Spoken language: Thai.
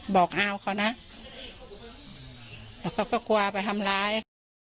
บอกอาวเขานะแล้วเขาก็กลัวไปทำร้าย